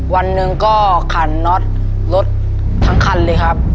วันหนึ่งก็ขันน็อตรถทั้งคันเลยครับ